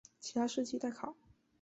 其他事迹待考。